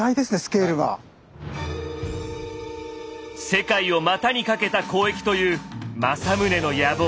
世界を股にかけた交易という政宗の野望。